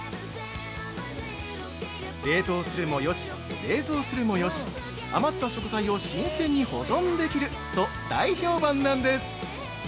冷凍するもよし、冷蔵するもよし、余った食材を新鮮に保存できる！と大絶賛なんです！